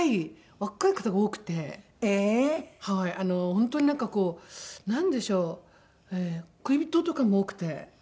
本当になんかこうなんでしょう恋人とかも多くて。